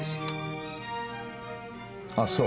あっそう。